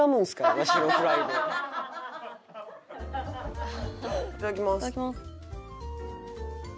いただきます。